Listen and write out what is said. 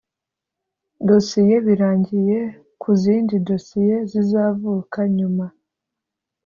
dosiye birangiye Ku zindi dosiye zizavuka nyuma